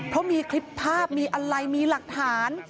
เพราะมีคลิปภาพมีอะไรมีหลักฐาน